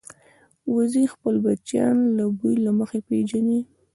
وزې خپل بچیان د بوی له مخې پېژني